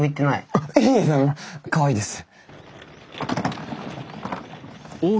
あっいえいえかわいいです。